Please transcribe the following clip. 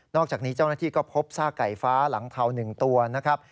อกจากนี้เจ้าหน้าที่ก็พบซากไก่ฟ้าหลังเทา๑ตัวนะครับ